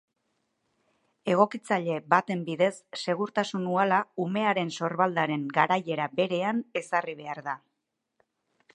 Egokitzaile baten bidez segurtasun uhala umearen sorbaldaren garaiera berean ezarri behar da.